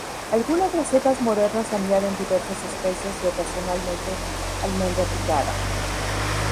Algunas recetas modernas añaden diversas especias y ocasionalmente almendra picada.